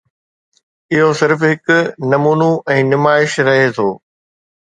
اهو صرف هڪ نمونو ۽ نمائش رهي ٿو.